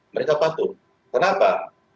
mereka patuh kenapa